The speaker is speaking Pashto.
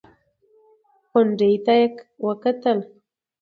غونډۍ ته يې وکتل.